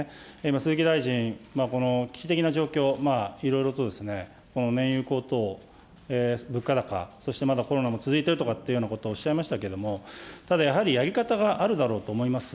今、鈴木大臣、この危機的な状況、いろいろと燃油高騰、物価高、そしてまだコロナも続いているというようなことをおっしゃいましたけれども、ただやはり、やり方があるだろうと思います。